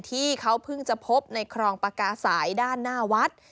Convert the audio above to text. ที่เขาเพิ่งจะพบในครองปากาสายด้านหน้าวัด